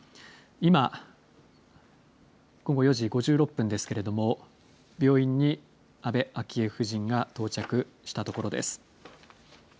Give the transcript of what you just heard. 今、午後４時５６分ですけれども、病院に安倍昭恵夫人が到着したところです。